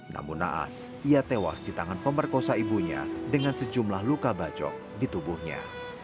namun naas ia tewas di tangan pemerkosa ibunya dengan sejumlah luka bacok di tubuhnya